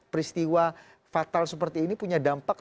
peristiwa fatal seperti ini punya dampak gak pak